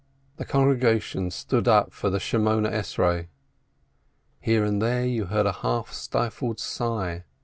The congregation stood up for the Eighteen Benedictions. Here and there you heard a half stifled sigh.